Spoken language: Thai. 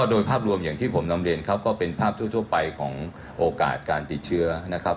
โดยภาพรวมอย่างที่ผมนำเรียนครับก็เป็นภาพทั่วไปของโอกาสการติดเชื้อนะครับ